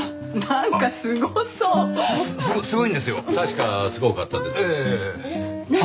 確かすごかったですね。